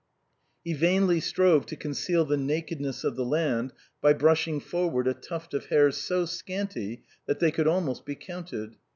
He vainly strove to conceal the nakedness of the land by brushing forward a tuft of hairs so scanty that they could almost be counted.